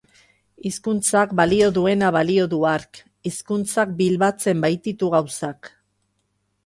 Hizkuntzak balio duena balio du hark, hizkuntzak bilbatzen baititu gauzak.